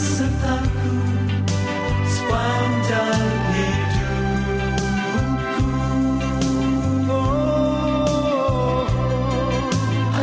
yang tak dapat diambilnya